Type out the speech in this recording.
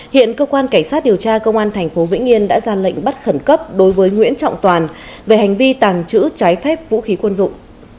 hiện cơ quan cảnh sát điều tra công an tp vĩnh yên đã ra lệnh bắt khẩn cấp đối với nguyễn trọng toàn về hành vi tàng trữ trái phép vũ khí quân dụng